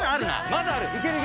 まだある。